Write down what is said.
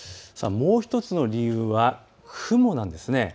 もう１つの理由は雲なんです。